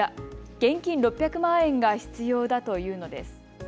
現金６００万円が必要だというのです。